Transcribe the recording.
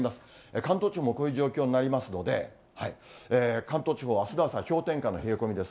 関東地方もこういう状況になりますので、関東地方、あすの朝、氷点下の冷え込みです。